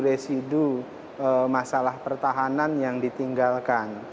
banyak residu residu masalah pertahanan yang ditinggalkan